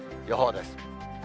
予報です。